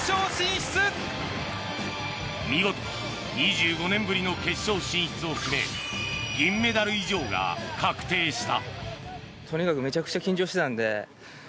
見事、２５年ぶりの決勝進出を決め銀メダル以上が確定した。